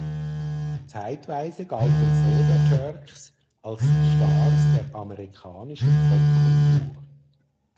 Zeitweise galten Soda Jerks als Stars der amerikanischen Popkultur.